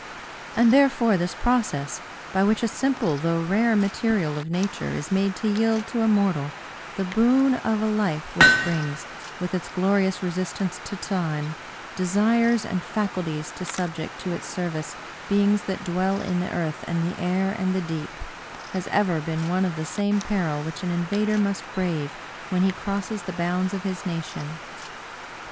And there fore this process — by which a simple though rare material of Nature is made to yield to a mortal the boon of a life which brings, with its glorious resistance to Time, desires and faculties to subject to its service beings that dwell in the earth and the air and the deep — ^has ever been one of the same peril which an invader must brave when he crosses the bounds of his nation.